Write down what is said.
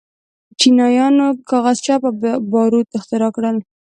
چینایانو کاغذ، چاپ او باروت اختراع کړل.